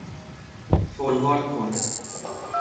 فوروارد کن